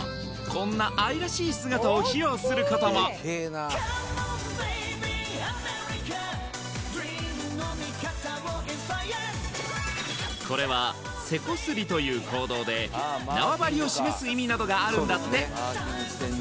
こんな愛らしい姿を披露することもこれは背こすりという行動で縄張りを示す意味などがあるんだって